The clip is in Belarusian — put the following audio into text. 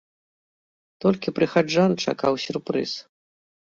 Толькі прыхаджан чакаў сюрпрыз.